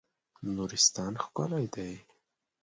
نورستان ښکلی دی.